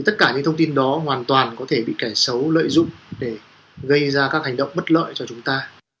tất cả những thông tin đó hoàn toàn có thể bị kẻ xấu lợi dụng để gây ra các hành động bất lợi cho chúng ta